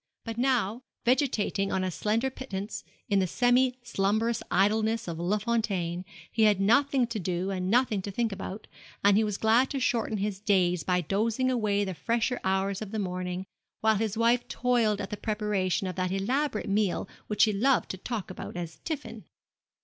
But now, vegetating on a slender pittance in the semi slumberous idleness of Les Fontaines, he had nothing to do and nothing to think about; and he was glad to shorten his days by dozing away the fresher hours of the morning, while his wife toiled at the preparation of that elaborate meal which he loved to talk about as tiffin.